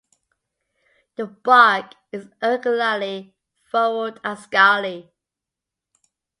The bark is irregularly furrowed and scaly.